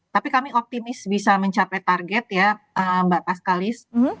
tapi kami optimis bisa mencapai target ya mbak pas kalis